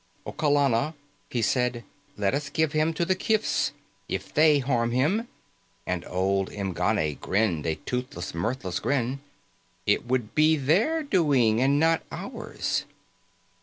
"O Kallana," he said, "Let us give him to the kifs. If they harm him " and old M'Ganne grinned a toothless, mirthless grin " it would be their doing and not ours."